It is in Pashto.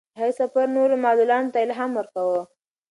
د هغې سفر نورو معلولانو ته الهام ورکوي.